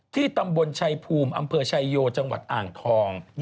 ตำบลชัยภูมิอำเภอชายโยจังหวัดอ่างทอง